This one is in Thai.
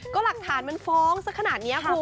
ก็หลักฐานมันฟ้องสักขนาดนี้คุณ